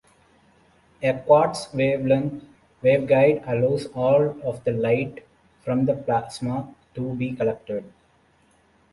A quartz waveguide allows all of the light from the plasma to be collected.